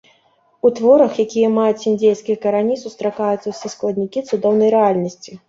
У творах, якія маюць індзейскія карані, сустракаюцца ўсе складнікі цудоўнай рэальнасці.